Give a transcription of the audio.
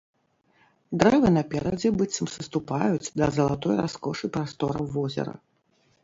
Дрэвы наперадзе быццам саступаюць да залатой раскошы прастораў возера.